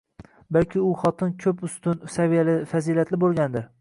Balki u xotin ko'p ustun, saviyali, fazilatli bo'lgandir.